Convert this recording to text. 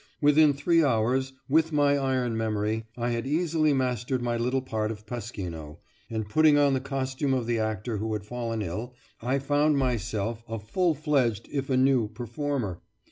Within three hours, with my iron memory, I had easily mastered my little part of Pasquino, and, putting on the costume of the actor who had fallen ill, I found myself a full fledged if a new performer.